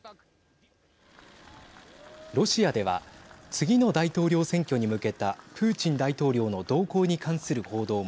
ロシアでは次の大統領選挙に向けたプーチン大統領の動向に関する報道も。